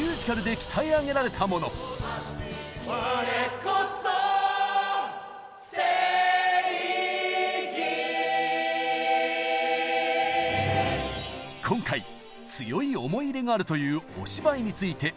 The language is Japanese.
今回強い思い入れがあるという「お芝居」についてこんな話題が。